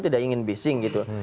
tidak ingin bising gitu